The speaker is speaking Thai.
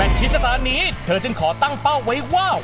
ชิดสถานีเธอจึงขอตั้งเป้าไว้ว่า